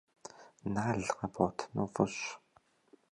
Нал къэбгъуэтыну фӏыщ.